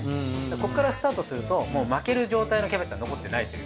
ここからスタートするともう巻ける状態のキャベツは残ってないという。